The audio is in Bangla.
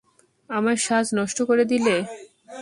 আমার সাজ নষ্ট করে দিলে।